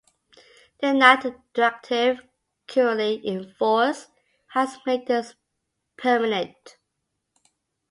The ninth directive, currently in force, has made this permanent.